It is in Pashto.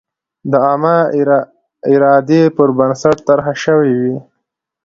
د عامه ارادې پر بنسټ طرحه شوې وي.